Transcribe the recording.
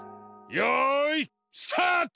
よいスタート！